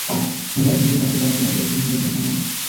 নির্বাচন যদি মানুষের প্রাণ কেড়ে নেয়, তবে সেই নির্বাচন কাম্য নয়।